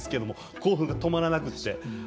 興奮が止まらなくて。